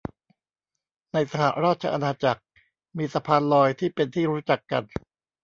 ในสหราชอาณาจักรมีสะพานลอยที่เป็นที่รู้จักกัน